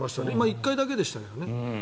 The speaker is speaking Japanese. １回だけでしたけどね。